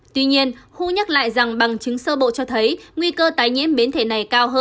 tuy nhiên hu nhắc lại rằng bằng chứng sơ bộ cho thấy